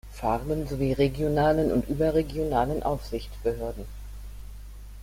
Farben sowie regionalen und überregionalen Aufsichtsbehörden.